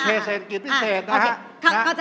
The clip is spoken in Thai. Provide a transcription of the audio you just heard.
เป็นเทเซนกิจพิเศษนะครับ